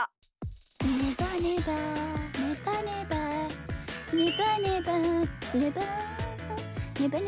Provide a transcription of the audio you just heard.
「ねばねばねばねば」「ねばねばねばねばねばねば」